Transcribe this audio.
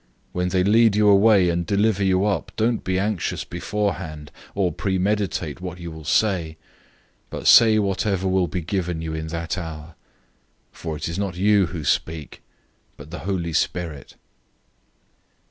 013:011 When they lead you away and deliver you up, don't be anxious beforehand, or premeditate what you will say, but say whatever will be given you in that hour. For it is not you who speak, but the Holy Spirit.